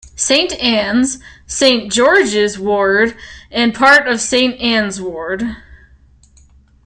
"Saint Anne's": Saint George's ward and part of Saint Anne's ward.